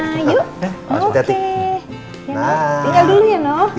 tinggal dulu ya noh